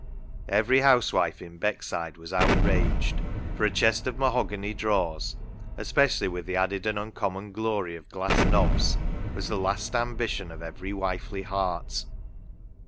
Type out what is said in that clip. Every housewife in Beck side was outraged, for a chest of mahogany drawers, especially with the added and un common glory of glass knobs, was the last ambition of every wifely heart.